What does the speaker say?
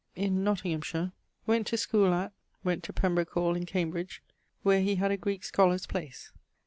in Nottinghamshire; went to schoole at ...; went to Pembroke hall in Cambridge, where he had a Greeke scholar's place.